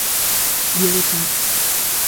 Diego Chao.